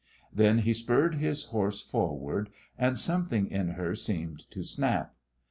Then he spurred his horse forward, and something in her seemed to snap.